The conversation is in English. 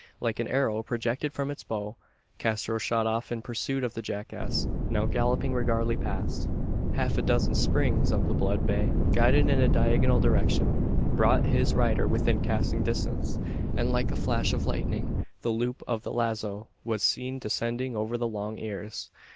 Like an arrow projected from its bow, Castro shot off in pursuit of the jackass, now galloping regardlessly past. Half a dozen springs of the blood bay, guided in a diagonal direction, brought his rider within casting distance; and like a flash of lightning, the loop of the lazo was seen descending over the long ears.